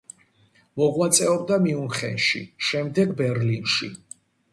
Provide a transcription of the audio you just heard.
მოღვაწეობდა მიუნხენში, შემდეგ ბერლინში.